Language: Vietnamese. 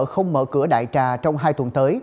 không mở cửa đại trà trong hai tuần tới